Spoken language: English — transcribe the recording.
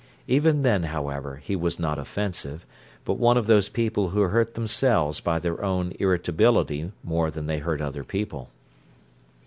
Even then, however, he was not offensive, but one of those people who hurt themselves by their own irritability more than they hurt other people.